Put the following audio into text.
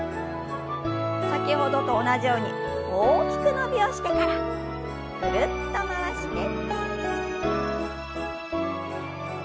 先ほどと同じように大きく伸びをしてからぐるっと回して。